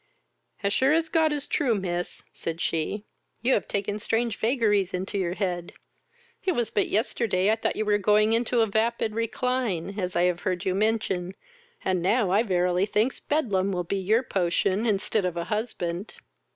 As sure as God is true, miss, (said she) you have taken strange vaggaries into your head: it was but yesterday I thought you were going into a vapid recline, as I have heard you mention, and now I verily thinks Bedlam will be your potion instead of a husband."